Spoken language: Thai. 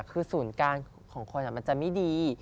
คือศูนย์การของคนมันจะไม่ดี